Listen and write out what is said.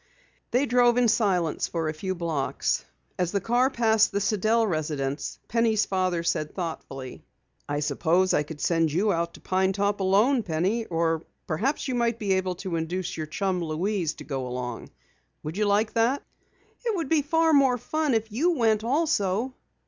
They drove in silence for a few blocks. As the car passed the Sidell residence, Penny's father said thoughtfully: "I suppose I could send you out to Pine Top alone, Penny. Or perhaps you might be able to induce your chum, Louise, to go along. Would you like that?" "It would be more fun if you went also."